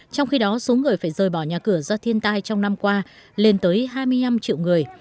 trong khi đó số người phải rời bỏ nhà cửa do thiên tai trong năm qua lên tới hai mươi năm triệu người